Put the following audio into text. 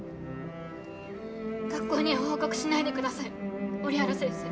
学校には報告しないでください折原先生。